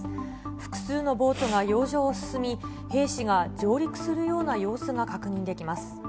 複数のボートが洋上を進み、兵士が上陸するような様子が確認できます。